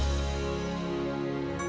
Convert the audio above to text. jangan lupa untuk berlangganan